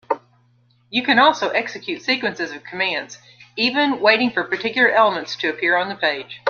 You can also execute sequences of commands, even waiting for particular elements to appear in the page.